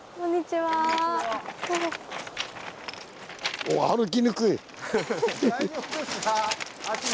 はい？